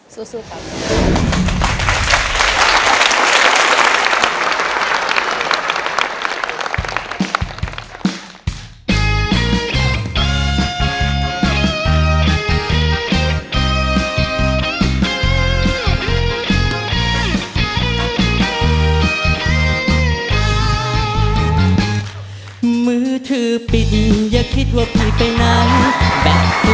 สู้ครับ